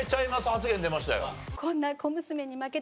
発言出ましたよ。